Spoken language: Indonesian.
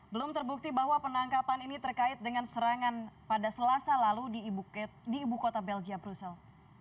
belum terbukti bahwa penangkapan ini terkait dengan serangan pada selasa lalu di ibu kota belgia brussel